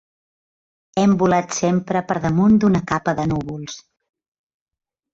Hem volat sempre per damunt d'una capa de núvols.